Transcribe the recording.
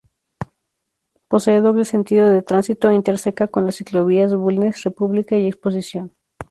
Posee doble sentido de tránsito e interseca con las ciclovías Bulnes-República y Exposición.